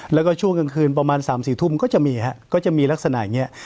แล้วก็ช่วงกลางคืนประมาณ๓๔ทุ่มก็จะมีฮะก็จะมีลักษณะอย่างนี้